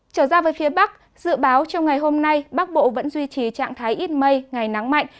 trở ra với phía bắc dự báo trong ngày hôm nay bắc bộ vẫn duy trì trạng thái ít mây ngày nắng mạnh